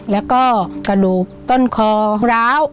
แล้วก็กระดูกต้นคอร้าว